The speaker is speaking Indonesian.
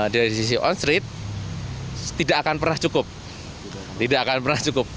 dari sisi on street tidak akan pernah cukup